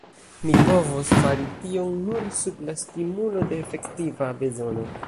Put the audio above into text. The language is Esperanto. Mi povos fari tion nur sub la stimulo de efektiva bezono.